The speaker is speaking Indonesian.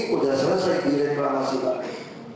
sudah selesai direklamasi lagi